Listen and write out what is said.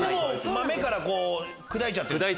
豆から砕いちゃってる。